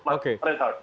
saya kira begitu